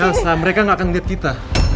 ya sah mereka gak akan liat kita